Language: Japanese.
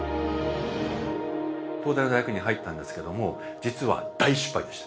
東大の大学院に入ったんですけども実は大失敗でした。